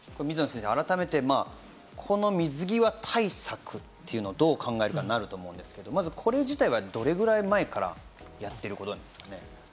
水野先生、改めてこの水際対策というのはどう考えるかとなるんですが、これはどれぐらい前からやってることですかね。